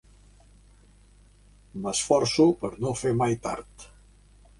M'esforço per no fer mai tard.